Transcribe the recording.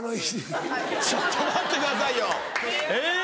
・ちょっと待ってくださいよ・・えっ？